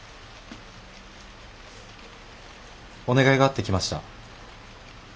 お願いがあって来ました。